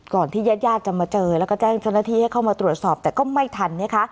ก่อนที่เยอะจะมาเจอแล้วก็แจ้งเดินเที่ยวตัวไม่ทัน